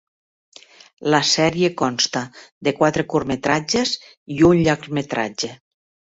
La sèrie consta de quatre curtmetratges i un llargmetratge.